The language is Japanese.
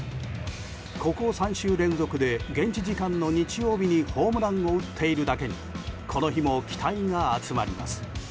ここ３週連続で現地時間の日曜日にホームランを打っているだけにこの日も期待が集まります。